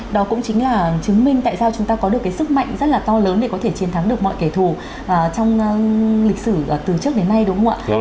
đó cũng chính là chứng minh tại sao chúng ta có được cái sức mạnh rất là to lớn để có thể chiến thắng được mọi kẻ thù trong lịch sử từ trước đến nay đúng không ạ